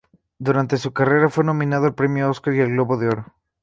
Durante su carrera fue nominado al Premio Óscar y al Globo de Oro.